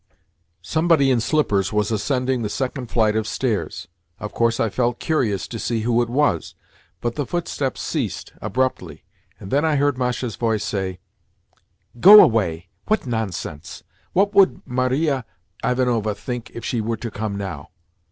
Somebody in slippers was ascending the second flight of stairs. Of course I felt curious to see who it was, but the footsteps ceased abruptly, and then I heard Masha's voice say: "Go away! What nonsense! What would Maria Ivanovna think if she were to come now?"